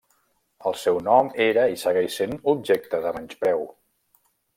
El seu nom era i segueix sent objecte de menyspreu.